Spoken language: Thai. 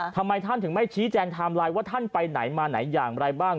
ทำไมท่านถึงไม่ชี้แจงไทม์ไลน์ว่าท่านไปไหนมาไหนอย่างไรบ้าง